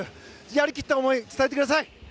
やり切った思い伝えてください。